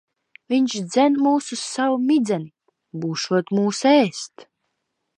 Viņš dzen mūs uz savu midzeni. Būšot mūs ēst.